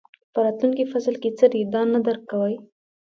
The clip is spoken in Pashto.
په راتلونکي فصل کې څه دي دا نه درک کوئ.